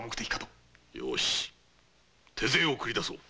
よし手勢を操り出そう。